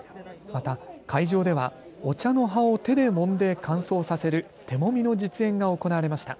また会場ではお茶の葉を手でもんで乾燥させる手もみの実演が行われました。